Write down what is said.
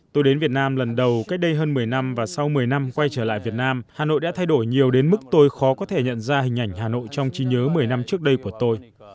tôi đến việt nam lần đầu cách đây hơn một mươi năm và sau một mươi năm quay trở lại việt nam hà nội đã thay đổi nhiều đến mức tôi khó có thể nhận ra hình ảnh hà nội trong trí nhớ một mươi năm trước đây của tôi